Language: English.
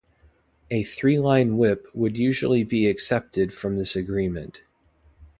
A three-line whip would usually be excepted from this agreement.